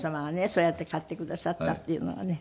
そうやって買ってくださったっていうのがね。